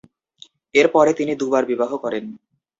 এর পরে তিনি দু'বার বিবাহ করেন।